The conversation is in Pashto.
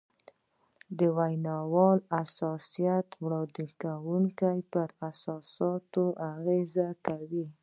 د ویناوال احساسات د اورېدونکي پر احساساتو اغېز کوي